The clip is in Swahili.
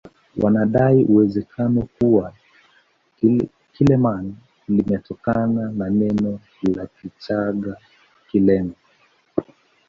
Wanadai uwezekano kuwa Kileman limetokana na neno la Kichaga kileme